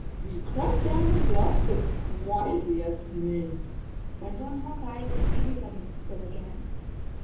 " We crept down the bluffs as quietly as snakes," went on Hawk Eye, when every body was still again.